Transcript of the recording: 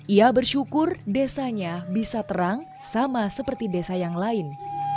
ia bersyukur desanya bisa terang sama seperti desa yang lain